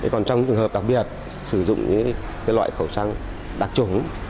còn trong trường hợp đặc biệt sử dụng những loại khẩu trang đặc trùng